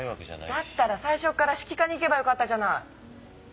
だったら最初から指揮科に行けばよかったじゃない。